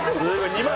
２万？